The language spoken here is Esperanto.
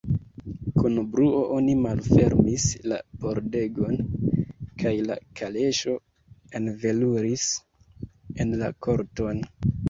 Kun bruo oni malfermis la pordegon, kaj la kaleŝo enveluris en la korton.